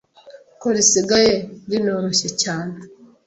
ko risigaye rinoroshye cyane